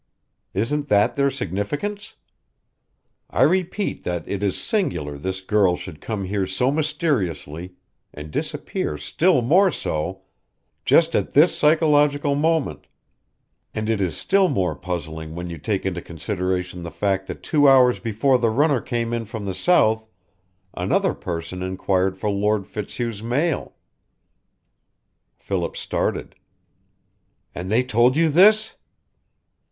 Isn't that their significance? I repeat that it is singular this girl should come here so mysteriously, and disappear still more so, just at this psychological moment; and it is still more puzzling when you take into consideration the fact that two hours before the runner came in from the south another person inquired for Lord Fitzhugh's mail!" Philip started. "And they told you this?"